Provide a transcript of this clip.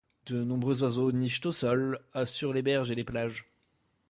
De nombreux oiseaux nichent au sol sur les berges et plages.